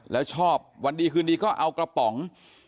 แล้วชอบวันดีคืนดีก็เอากระป๋อง